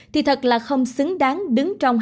thì thật là không xứng đáng đứng trong hạng